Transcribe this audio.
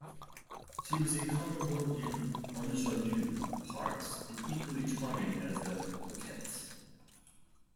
She was incomparable in ingenue parts, and equally charming as the coquette.